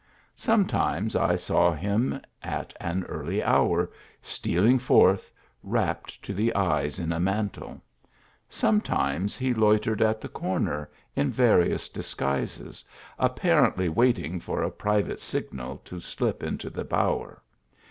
Sometimes I saw him. at an early hour, stealing forth, wrapped to the eyes in a mantle. Sometimes he loitered at the corner, in various disguises, apparently waiting for a private signal to slip into the bower.